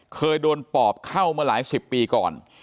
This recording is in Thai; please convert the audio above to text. เคยโดนปอบเข้ามาหลายสิบปีก่อน